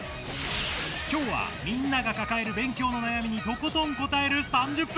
きょうはみんなが抱える勉強の悩みにとことん答える３０分！